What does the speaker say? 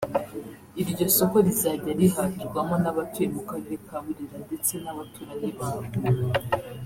Iryo soko rizajya rihahirwamo n’abatuye mu Karere ka Burera ndetse n’abaturanyi babo